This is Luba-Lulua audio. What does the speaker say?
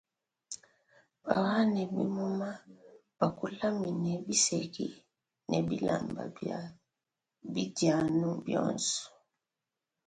Bawane bimuma, bakulam biseki ne bilamba bia bidianu bionso.